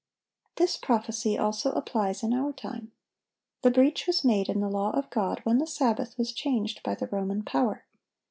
(766) This prophecy also applies in our time. The breach was made in the law of God when the Sabbath was changed by the Roman power.